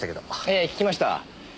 ええ聞きました。